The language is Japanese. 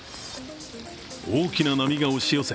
大きな波が押し寄せ